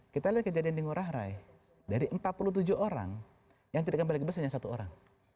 kita lihat kejadian di ngurah rai dari empat puluh tujuh orang yang tidak kembali ke bus hanya satu orang